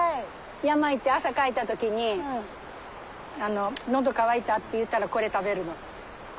山行って汗かいた時に喉渇いたって言うたらこれ食べるの。